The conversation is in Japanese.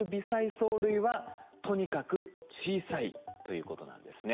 藻類はとにかく小さいということなんですね。